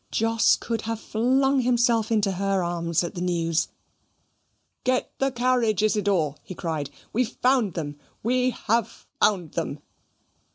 Jos could have flung himself into her arms at the news. "Get the carriage, Isidor," he cried; "we've found them we have found them."